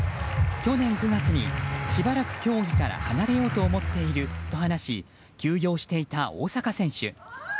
去年９月に、しばらく競技から離れようと思っていると話し休養していた大坂選手。